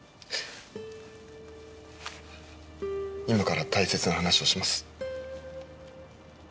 今から大切な話をします。